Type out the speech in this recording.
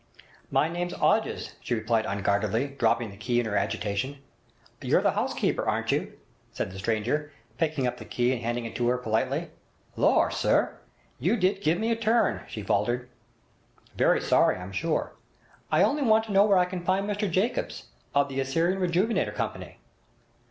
'My name's 'Odges,' she replied unguardedly, dropping the key in her agitation. 'You're the housekeeper, aren't you?' said the stranger, picking up the key and handing it to her politely. 'Lor', sir! You did give me a turn,' she faltered. 'Very sorry, I'm sure. I only want to know where I can find Mr Jacobs, of the "Assyrian Rejuvenator Company".'